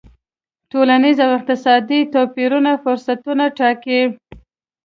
ټولنیز او اقتصادي توپیرونه فرصتونه ټاکي.